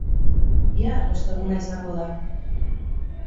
Bihar osteguna izango da.